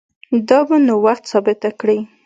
دا به نو وخت ثابته کړي